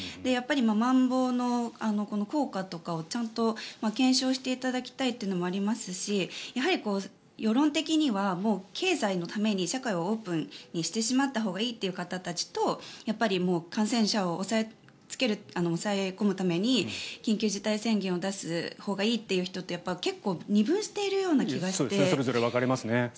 やっぱりまん防の効果とかをちゃんと検証していただきたいというのもありますしやはり世論的には経済のために社会をオープンにしてしまったほうがいいという方たちとやっぱり感染を抑え込むために緊急事態宣言を出すほうがいいという人と結構、二分しているような気がして。